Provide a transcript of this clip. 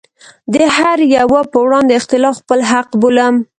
د هره يوه په وړاندې اختلاف خپل حق بولم.